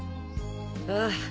ああ。